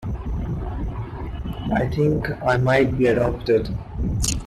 I think I might be adopted.